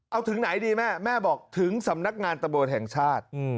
เอาถึงไหนดีแม่แม่บอกถึงสำนักงานตำรวจแห่งชาติ